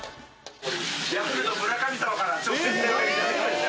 ヤクルト村神様から直接電話いただきました。